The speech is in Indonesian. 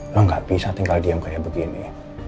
lo gak bisa tinggal diam kayak begini